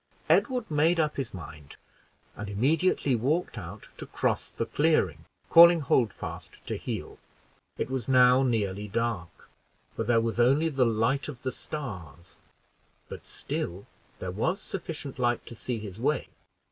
Edward made up his mind, and immediately walked out to cross the clearing, calling Holdfast to heel. It was now nearly dark, for there was only the light of the stars, but still there was sufficient light to see his way.